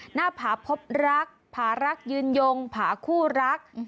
หน้าผาพบรักผารักยืนยงผาคู่รัก